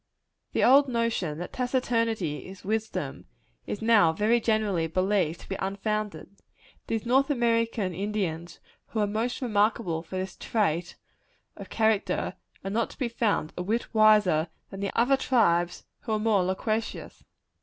The old notion, that taciturnity is wisdom, is now very generally believed to be unfounded. These North American Indians who are most remarkable for this trait of character, are not found to be a whit wiser than other tribes who are more loquacious.